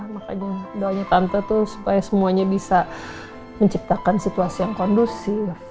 makanya doanya tante tuh supaya semuanya bisa menciptakan situasi yang kondusif